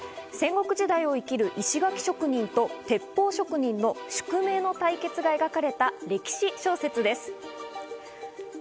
戦国時代を生きる石垣職人と鉄砲職人の宿命の対決が描かれた歴史小説です。